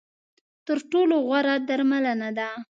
تر ټولو غوره درملنه ده .